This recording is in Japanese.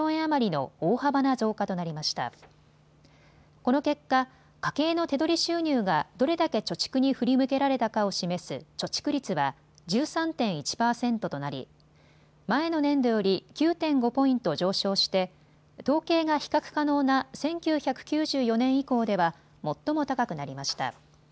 この結果、家計の手取り収入がどれだけ貯蓄に振り向けられたかを示す貯蓄率は１３．１％となり、前の年度より９．５ポイント上昇して統計が比較可能な１９９４年以降では最も高くなりました。